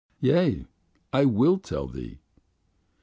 "Yea, I will tell thee."